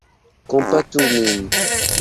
Kompatu nin!